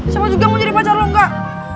siapa juga mau jadi pacar lu enggak